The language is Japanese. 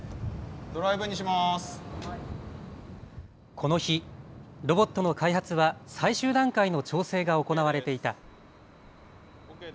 この日、ロボットの開発は最終段階の調整が行われていた。